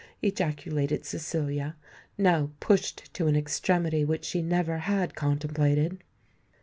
ejaculated Cecilia, now pushed to an extremity which she never had contemplated.